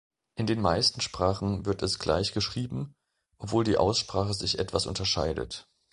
In den meisten Sprachen wird es gleich geschrieben, obwohl die Aussprache sich etwas unterscheidet.